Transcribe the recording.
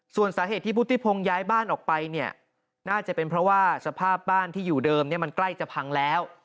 ส่วนสาเหตุที่พุทธิพงศ์ย้ายบ้านออกไปเนี่ยน่าจะเป็นเพราะว่าสภาพบ้านที่อยู่เดิมเนี่ยมันใกล้จะพังแล้ว